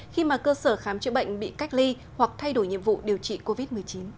khi mà cơ sở khám chữa bệnh bị cách ly hoặc thay đổi nhiệm vụ điều trị covid một mươi chín